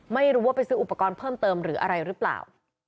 ไม่รู้ว่าไปซื้ออุปกรณ์เพิ่มเติมหรืออะไรหรือเปล่า